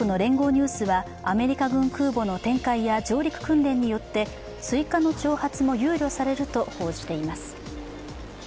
ニュースはアメリカ軍空母の展開や上陸訓練によって、追加の挑発も憂慮されると報じています。